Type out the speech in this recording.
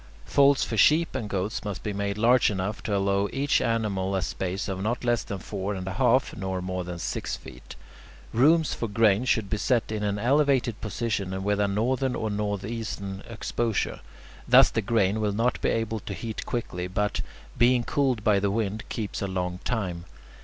Folds for sheep and goats must be made large enough to allow each animal a space of not less than four and a half, nor more than six feet. Rooms for grain should be set in an elevated position and with a northern or north eastern exposure. Thus the grain will not be able to heat quickly, but, being cooled by the wind, keeps a long time.